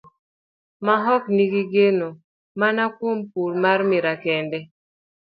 Maok ni gigeno mana kuom pur mar miraa kende.